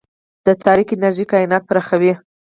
د تاریک انرژي کائنات پراخوي.